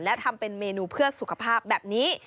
และทำเป็นเมนูเพื่อสุขภาพแบบนี้